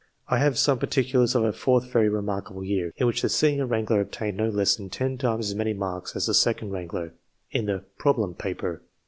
I have some particulars of a fourth very remarkable year, in which the senior wrangler obtained no less than ten times as many marks as the second wrangler, in the " problem paper."